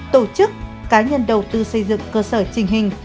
tổ chức cá nhân đầu tư xây dựng cơ sở trình hình